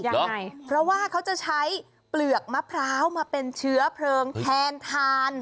ยังไงเพราะว่าเขาจะใช้เปลือกมะพร้าวมาเป็นเชื้อเพลิงแทนทาน